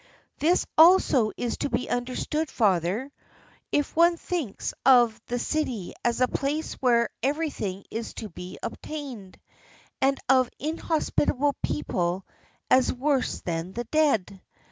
"This also is to be understood, father, if one thinks of the city as the place where everything is to be obtained, and of inhospitable people as worse than the dead.